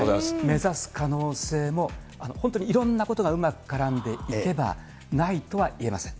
目指す可能性も、本当にいろんなことがうまく絡んでいけば、ないとはいえません。